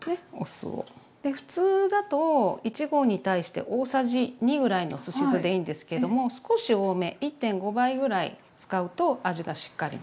普通だと１合に対して大さじ２ぐらいのすし酢でいいんですけれども少し多め１．５倍ぐらい使うと味がしっかりのります。